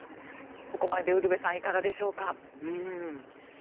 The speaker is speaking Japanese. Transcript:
ここまでで、ウルヴェさんいかがでしょうか。